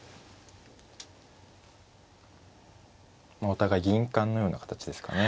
お互い銀冠ような形ですかね。